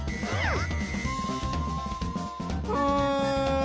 うん。